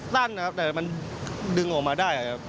ใส่แต่มันดึงออกมาได้